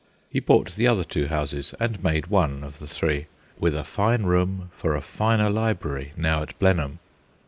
He bought the other two houses and made one of the three, with a fine room for a finer library now at Blenheim.